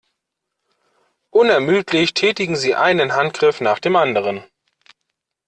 Unermüdlich tätigen sie einen Handgriff nach dem anderen.